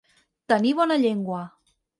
Tenir bona llengua.